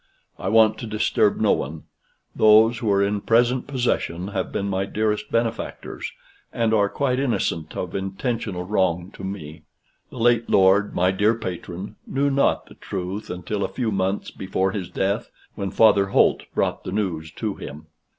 I want to disturb no one. Those who are in present possession have been my dearest benefactors, and are quite innocent of intentional wrong to me. The late lord, my dear patron, knew not the truth until a few months before his death, when Father Holt brought the news to him."